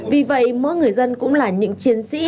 vì vậy mỗi người dân cũng là những chiến sĩ